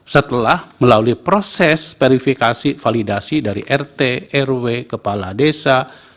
setelah melalui proses verifikasi validasi dari rt rw kepala desa